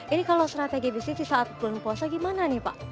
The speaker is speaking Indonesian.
ini kalau strategi bisnis saat bulan puasa gimana nih pak